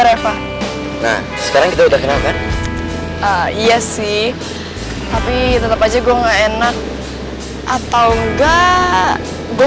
reva nah sekarang kita udah kenal kan iya sih tapi tetap aja gua nggak enak atau enggak gue